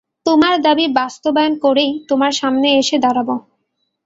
তোমার দাবি বাস্তবায়ন করেই তোমার সামনে এসে দাঁড়াবো।